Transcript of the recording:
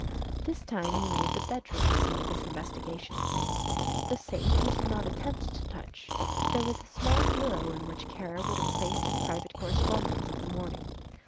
This time he made the bedroom the scene of his investigations. The safe he did not attempt to touch, but there was a small bureau in which Kara would have placed his private correspondence of the morning.